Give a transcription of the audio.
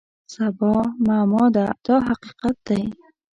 سبا معما ده دا حقیقت دی.